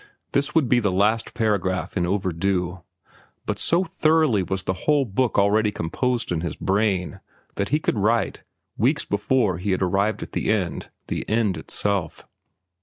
This would be the last paragraph in "Overdue"; but so thoroughly was the whole book already composed in his brain that he could write, weeks before he had arrived at the end, the end itself.